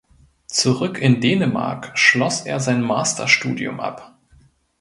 Zurück in Dänemark schloss er sein Masterstudium ab.